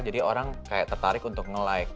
jadi orang kayak tertarik untuk nge like